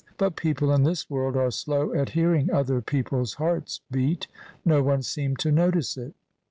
But people in this world are slow at hearing other people's hearts beat. No one seemed to notice it.